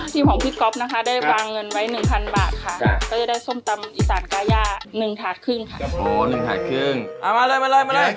อันนี้ของพี่ก๊อฟนะคะได้วางเงินไว้๑๐๐๐บาทค่ะ